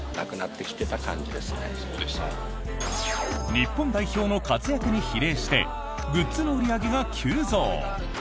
日本代表の活躍に比例してグッズの売り上げが急増！